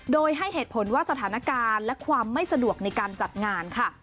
โดยให้เหตุผลว่าสถานการณ์และความไม่สะดวกในการจัดงานค่ะ